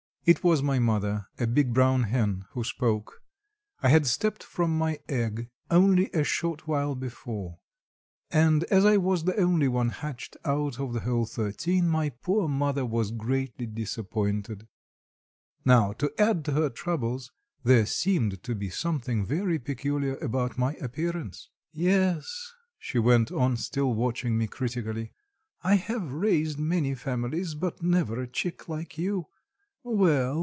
It was my mother, a big brown hen, who spoke. I had stepped from my egg, only a short while before, and as I was the only one hatched out of the whole thirteen, my poor mother was greatly disappointed. Now, to add to her troubles, there seemed to be something very peculiar about my appearance. "Yes," she went on still watching me critically, "I have raised many families, but never a chick like you. Well!